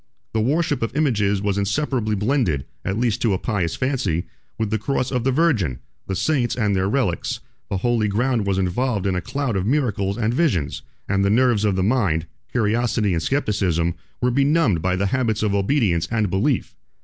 The worship of images was inseparably blended, at least to a pious fancy, with the Cross, the Virgin, the Saints and their relics; the holy ground was involved in a cloud of miracles and visions; and the nerves of the mind, curiosity and scepticism, were benumbed by the habits of obedience and belief.